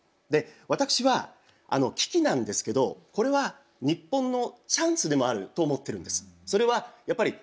私は危機なんですけどこれは日本のチャンスでもあると思ってるんです。